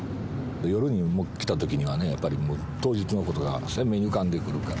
夜に来たときにはね、やっぱり当時のことが鮮明に浮かんでくるから。